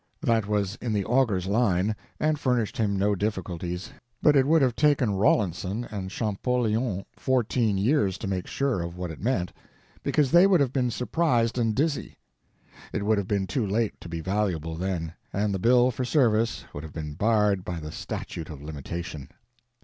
That was in the augur's line, and furnished him no difficulties, but it would have taken Rawlinson and Champollion fourteen years to make sure of what it meant, because they would have been surprised and dizzy. It would have been too late to be valuable, then, and the bill for service would have been barred by the statute of limitation.